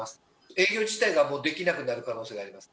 営業自体ができなくなる可能性があります。